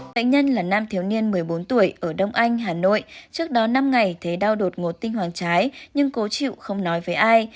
bệnh nhân là nam thiếu niên một mươi bốn tuổi ở đông anh hà nội trước đó năm ngày thấy đau đột ngột tinh hoàng trái nhưng cố chịu không nói với ai